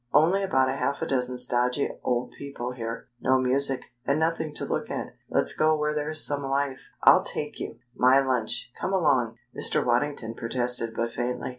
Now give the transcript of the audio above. "Only about half a dozen stodgy old people here, no music, and nothing to look at. Let's go where there's some life. I'll take you. My lunch. Come along." Mr. Waddington protested but faintly.